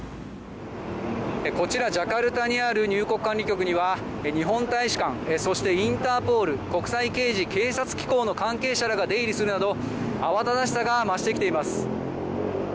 こちらジャカルタにある入国管理局には日本大使館そしてインターポール・国際刑事警察機構の関係者らが出入りするなど慌ただしさが増してきています。